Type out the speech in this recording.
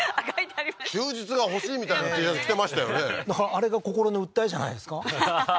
あれが心の訴えじゃないですかははは